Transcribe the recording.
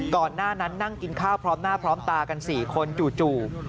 ก่อนหน้านั้นนั่งกินข้าวพร้อมหน้าพร้อมตากัน๔คนจู่